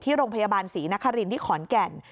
โรงพยาบาลศรีนครินที่ขอนแก่น